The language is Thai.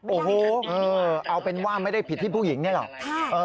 โอ้โหเอาเป็นว่าไม่ได้ผิดที่ผู้หญิงนี่หรอก